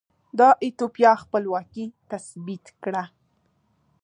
د ایتوپیا خپلواکي تثبیت کړه.